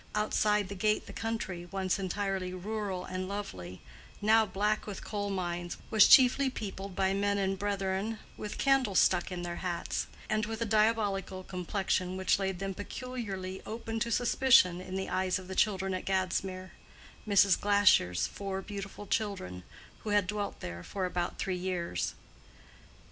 Outside the gate the country, once entirely rural and lovely, now black with coal mines, was chiefly peopled by men and brethren with candles stuck in their hats, and with a diabolic complexion which laid them peculiarly open to suspicion in the eyes of the children at Gadsmere—Mrs. Glasher's four beautiful children, who had dwelt there for about three years.